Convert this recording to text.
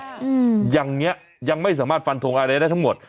อืมอย่างเงี้ยยังไม่สามารถฟันทงอะไรได้ทั้งหมด